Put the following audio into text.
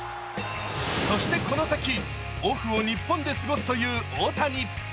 そしてこの先、オフを日本で過ごすという大谷。